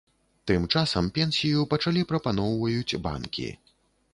Тым часам пенсію пачалі прапаноўваюць банкі.